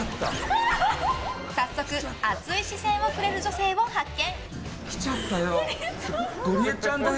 早速、熱い視線をくれる女性を発見。